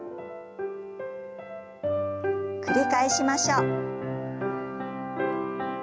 繰り返しましょう。